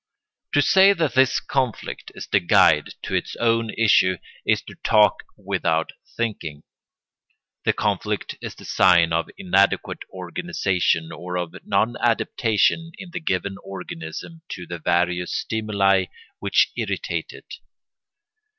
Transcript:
] To say that this conflict is the guide to its own issue is to talk without thinking. The conflict is the sign of inadequate organisation, or of non adaptation in the given organism to the various stimuli which irritate it.